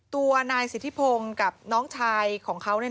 ตัวนายสิทธิพงศ์กับน้องชายของเขา